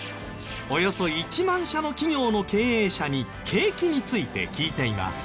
およそ１万社の企業の経営者に景気について聞いています。